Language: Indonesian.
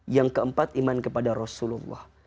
yang keempat iman kepada rasulullah